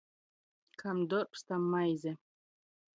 Kam dorbs, tam maize.